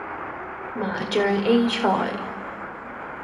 麻醬 A 菜